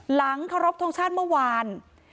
หลังเคารพทงชาติเมื่อวาน